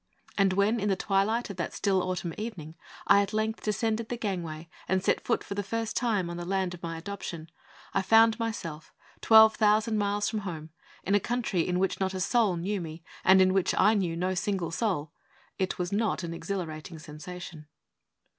And when, in the twilight of that still autumn evening, I at length descended the gangway, and set foot for the first time on the land of my adoption, I found myself twelve thousand miles from home in a country in which not a soul knew me, and in which I knew no single soul. It was not an exhilarating sensation.